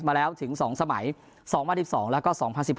มาแล้วถึง๒สมัย๒๐๑๒แล้วก็๒๐๑๘